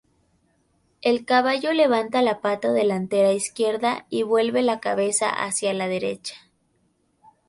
El caballo levanta la pata delantera izquierda y vuelve la cabeza hacia la derecha.